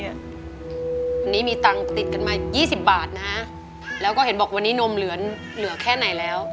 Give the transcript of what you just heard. วันนี้มีตังค์ติดกันมา๒๐บาทนะฮะแล้วก็เห็นบอกวันนี้นมเหลือแค่ไหนแล้ว